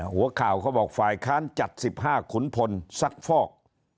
หัวข่าวเขาบอกฝ่ายค้านจัด๑๕ขุนพลซักฟอก